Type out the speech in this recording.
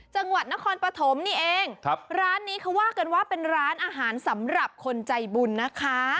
จังหวัดนครปฐมนี่เองครับร้านนี้เขาว่ากันว่าเป็นร้านอาหารสำหรับคนใจบุญนะคะ